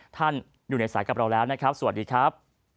ท่านอยู่ในสายกับเราแล้วนะครับสวัสดีครับ